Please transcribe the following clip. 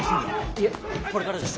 いえこれからです。